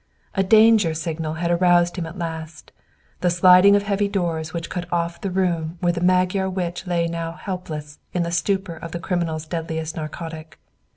A danger signal had aroused him at last, the sliding of heavy doors which cut off the room where the Magyar witch lay now helpless in the stupor of the criminal's deadliest narcotic.